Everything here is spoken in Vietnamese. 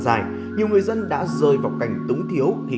đi ra ngoài đi